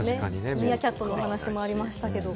ミーアキャットの話もありましたけれども。